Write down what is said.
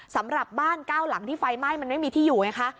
สำหรับบ้านเก้าหลังที่ไฟไหม้มันไม่มีที่อยู่ไงคะ